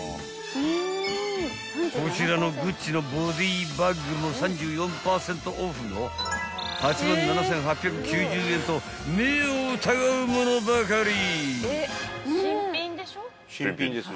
［こちらのＧＵＣＣＩのボディーバッグも３４％オフの８万７，８９０円と目を疑うものばかり］